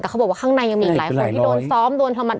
แต่เขาบอกว่าข้างในยังมีอีกหลายคนที่โดนซ้อมโดนทำมัน